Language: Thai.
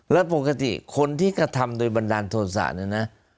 แล้วปกติคนที่กระทำโดยบันดาลโทษะเนี่ยนะ